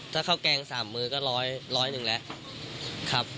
ถ้าข้าวแกง๓มื้อก็ร้อยหนึ่งแล้วครับ